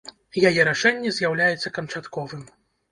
Яе рашэнне з'яўляецца канчатковым.